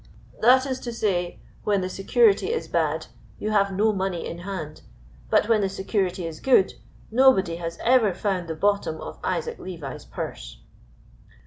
"That is to say, when the security is bad, you have no money in hand; but when the security is good, nobody has ever found the bottom of Isaac Levi's purse."